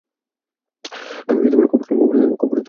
আমি কপটতার উপর ভারি চটা।